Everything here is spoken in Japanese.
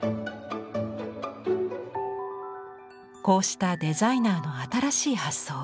こうしたデザイナーの新しい発想。